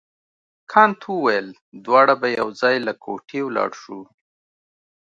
کانت وویل دواړه به یو ځای له کوټې ولاړ شو.